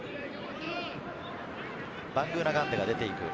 バングーナガンデが出ていく。